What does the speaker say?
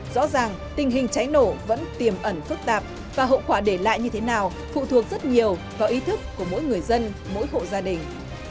rõ ràng tình hình cháy nổ vẫn tiềm ẩn phức tạp và hậu quả để lại như thế nào phụ thuộc rất nhiều vào ý thức của mỗi người dân mỗi hộ gia đình